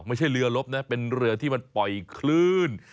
ไม่ใช่เรือลบนะเป็นเรือที่มันปล่อยคลื่น